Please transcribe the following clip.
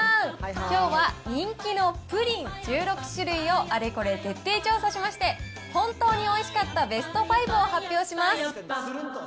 きょうは、人気のプリン１６種類を、あれこれ徹底調査しまして、本当においしかったベスト５を発表します。